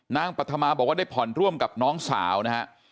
ปัธมาบอกว่าได้ผ่อนร่วมกับน้องสาวนะฮะ